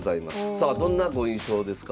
さあどんなご印象ですか？